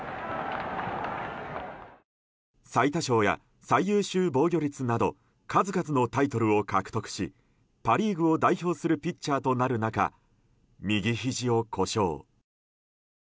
最多勝や最優秀防御率など数々のタイトルを獲得しパ・リーグを代表するピッチャーとなる中右ひじを故障。